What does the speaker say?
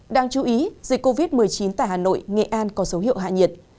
đáng chú ý dịch covid một mươi chín tại hà nội nghệ an có dấu hiệu hạ nhiệt